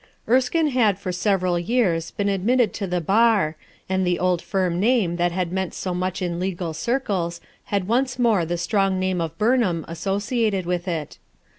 Erskine had for several years been admitted to the bar, and the old firm name that had meant so much in legal circles had once more the strong name of Burnham associated with it.